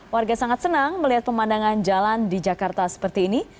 warga sangat senang melihat pemandangan jalan di jakarta seperti ini